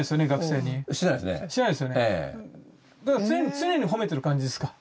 常に褒めている感じですか？